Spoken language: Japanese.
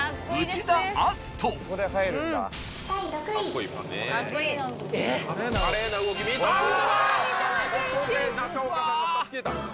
ここで中岡さんが２つ消えた。